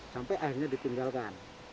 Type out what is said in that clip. sampai akhirnya ditinggalkan